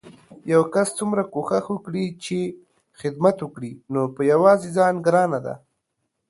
يو کس څومره کوښښ وکړي چې خدمت وکړي نو په يوازې ځان ګرانه ده